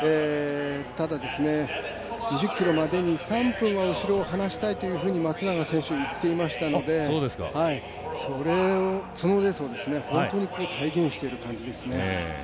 ただ、２０ｋｍまでに３分は後ろを離したいというふうに松永選手、言っていましたのでそのレースを本当に体現しているという感じですね。